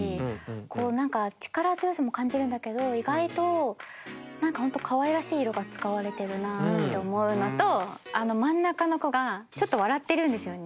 こう何か力強さも感じるんだけど意外と何かほんとかわいらしい色が使われてるなって思うのとあの真ん中の子がちょっと笑ってるんですよね。